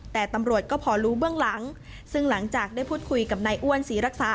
แต่ตำรวจก็พอรู้เบื้องหลังซึ่งหลังจากได้พูดคุยกับนายอ้วนศรีรักษา